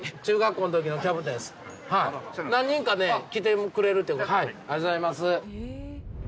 中学校のときのキャプテンです。